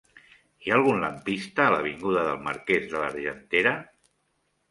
Hi ha algun lampista a l'avinguda del Marquès de l'Argentera?